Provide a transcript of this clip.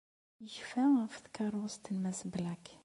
Yecfa ɣef tkeṛṛust n Mass Black.